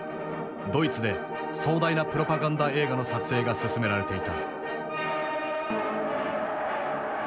ドイツで壮大なプロパガンダ映画の撮影が進められていた。